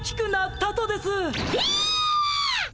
えっ！